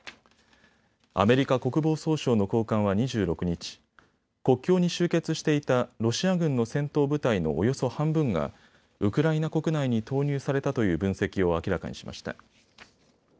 アメリカ国防総省の高官は２６日、国境に集結していたロシア軍の戦闘部隊のおよそ半分がウクライナ国内に投入されたという分析を明らかにしました。